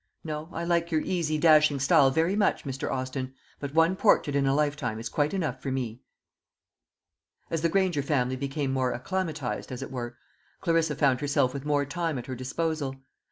No; I like your easy, dashing style very much, Mr. Austin; but one portrait in a lifetime is quite enough for me." As the Granger family became more acclimatised, as it were, Clarissa found herself with more time at her disposal.